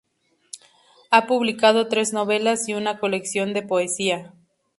Ha publicado tres novelas y una colección de poesía.